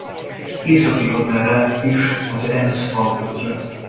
Északi határát is az Enns alkotja.